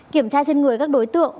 kiểm tra trên người các đối tượng